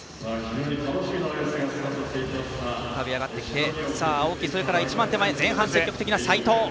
浮かび上がってきて青木、それから一番手前前半積極的な斎藤。